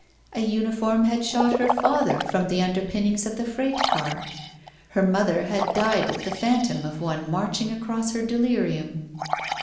A uniform had shot her father from the under pinnings of the freight car. Her mother had died with the phantom of one marching across her delirium.